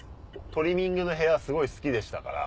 トリミングの部屋すごい好きでしたから。